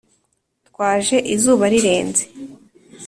twaje izuba rirenze